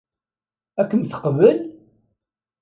Ad kem-teqbel?